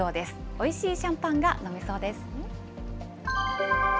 おいしいシャンパンが飲めそうです。